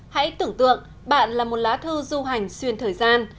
hãy tưởng tượng bạn là một lá thư du hành xuyên thời gian